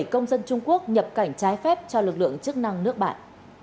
bảy công dân trung quốc nhập cảnh trái phép cho lực lượng chức năng nước bạn